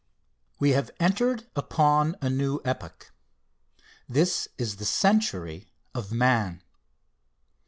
We have entered upon a new epoch. This is the century of man.